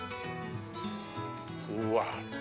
うわ。